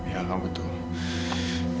ya kamu betul